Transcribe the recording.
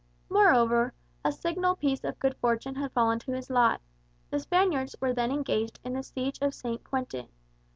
Moreover, a signal piece of good fortune had fallen to his lot. The Spaniards were then engaged in the siege of St. Quentin.